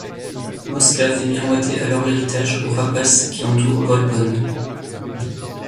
Mosca fait miroiter alors l'héritage aux rapaces qui entourent Volpone.